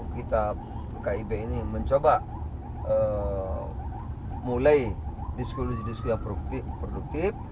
kita kib ini mencoba mulai diskusi diskusi yang produktif